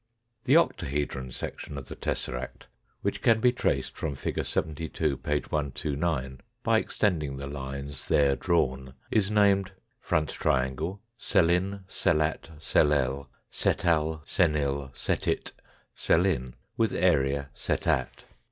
The octahedron section of the tesseract, which can be traced from fig. 72, p. 129 by extending the lines there drawn, is named : Front triangle selin, selat, selel, setal, senil, setit, selin with area setat.